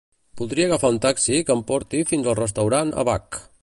Voldria agafar un taxi que em porti fins al restaurant ABaC.